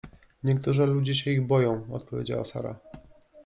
— Niektórzy ludzie się ich boją — odpowiedziała Sara.